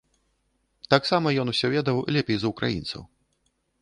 Таксама ён усё ведаў лепей за ўкраінцаў.